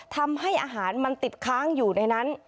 ทำให้อาหารมันติดค้างอยู่ในนั้น